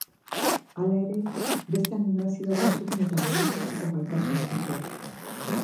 Hala ere, beste aminoazido batzuk metabolizatzeko gaitasuna dute.